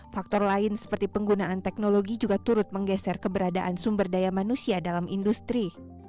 faktor lain seperti penggunaan teknologi juga turut menggeser keberadaan sumber daya manusia dalam industri